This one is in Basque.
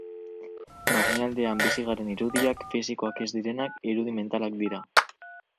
Barnealdean bizi garen irudiak, fisikoak ez direnak, irudi mentalak dira.